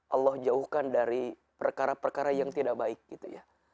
allah jauhkan dari perkara perkara yang tidak baik gitu ya